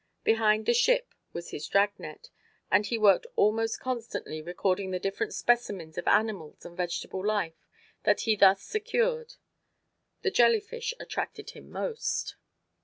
Behind the ship was his dragnet, and he worked almost constantly recording the different specimens of animal and vegetable life that he thus secured. The jellyfish attracted him most.